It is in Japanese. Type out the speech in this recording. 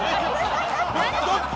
どっち？